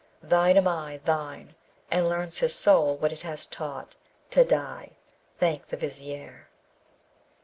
Thine am I, thine! and learns his soul what it has taught to die, Thank the Vizier!